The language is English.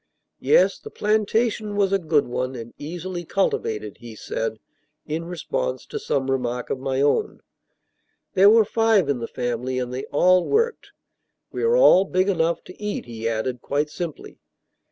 Yes, the plantation was a good one and easily cultivated, he said, in response to some remark of my own. There were five in the family, and they all worked. "We are all big enough to eat," he added, quite simply.